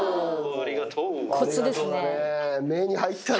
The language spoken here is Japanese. ありがとうだね。